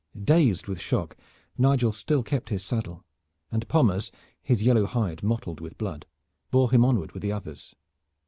Dazed with the shock, Nigel still kept his saddle, and Pommers, his yellow hide mottled with blood, bore him onward with the others.